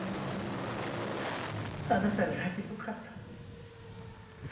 あなたに会えてよかった。